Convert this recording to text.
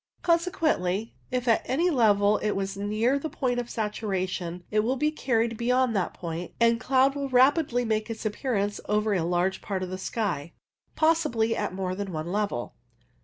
Consequently, if at any level it was near its point of saturation, it will be carried beyond that point, and cloud will rapidly make its appearance over a large part of the sky, possibly at more than one level.